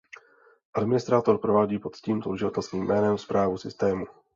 Administrátor provádí pod tímto uživatelským jménem správu systému.